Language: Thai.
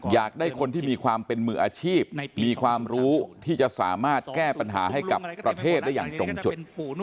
อยากได้คนที่มีความเป็นมืออาชีพมีความรู้ที่จะสามารถแก้ปัญหาให้กับประเทศได้อย่างตรงจุด